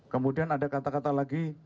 kemudian ada kata kata lagi